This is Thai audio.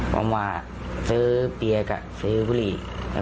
มันมาซื้อเบียร์กับซื้อบุหรี่